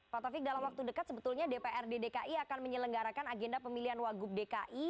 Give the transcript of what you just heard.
pak taufik dalam waktu dekat sebetulnya dprd dki akan menyelenggarakan agenda pemilihan wagub dki